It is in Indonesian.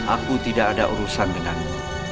aku tidak ada urusan denganmu